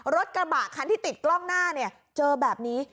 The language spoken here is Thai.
รถกระบะคันที่ติดกล้องหน้าเนี่ยเจอแบบนี้